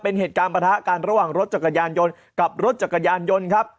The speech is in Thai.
เป็นเหตุการณ์ประทะกันระหว่างรถจักรยานยนต์กับรถจักรยานยนต์ครับ